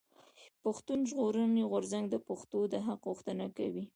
پښتون ژغورنې غورځنګ د پښتنو د حق غوښتنه کوي.